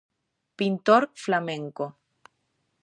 Pintor flamenco.